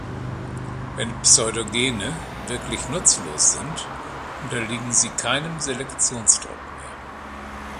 Wenn Pseudogene wirklich nutzlos sind, unterliegen sie keinem Selektionsdruck mehr.